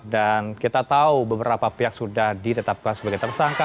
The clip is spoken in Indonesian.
dan kita tahu beberapa pihak sudah ditetapkan sebagai tersangka